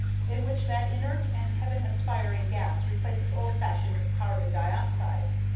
in which that inert and heaven aspiring gas replaces old fashioned carbon dioxide.